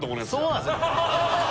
そうなんですよ